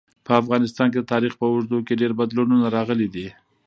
په افغانستان کي د تاریخ په اوږدو کي ډېر بدلونونه راغلي دي.